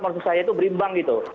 maksud saya itu berimbang gitu